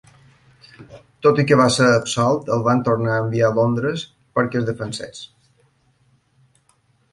Tot i que va ser absolt, el van tornar a enviar a Londres perquè es defensés.